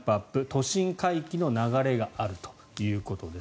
都心回帰の流れがあるということです。